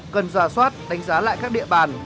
cần giả soát đánh giá lại các địa bàn